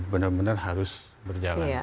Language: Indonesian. benar benar harus berjalan